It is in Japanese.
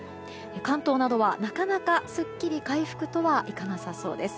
関東などはなかなか、すっきり回復とはいかなさそうです。